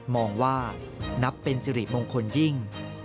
มองว่านับเป็นสิริมงคลยิ่ง